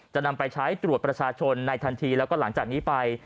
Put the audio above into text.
จะนำไปใช้ตรวจประชาชนในทันทีแล้วก็หลังจากนี้ไป